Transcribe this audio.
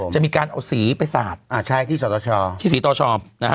จะมีการเอาสีไปสาดที่สีต่อชอม